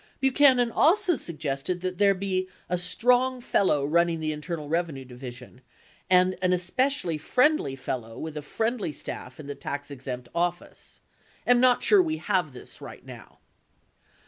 71 Buchanan also suggested that there be "a strong fellow running the Internal Revenue Division ; and an especially friendly fellow with a friendly staff in the tax exempt office. Am not sure we have this right now."